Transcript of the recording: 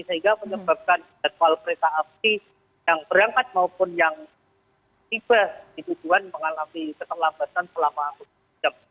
sehingga menyebabkan jadwal kereta api yang berangkat maupun yang tiba di tujuan mengalami keterlambatan selama jam